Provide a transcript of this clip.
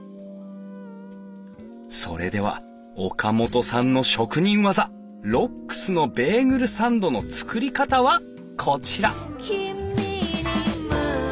それでは岡本さんの職人技ロックスのベーグルサンドの作り方はこちら